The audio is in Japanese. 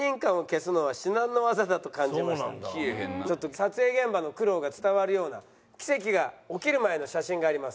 撮影現場の苦労が伝わるような奇跡が起きる前の写真があります。